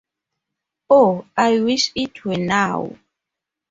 Oh, I wish it were now.